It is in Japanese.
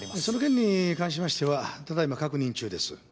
その件に関しましてはただ今確認中です。